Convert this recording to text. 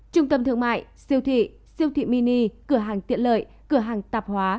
trung tâm thương mại siêu thị siêu thị mini cửa hàng tiện lợi cửa hàng tạp hóa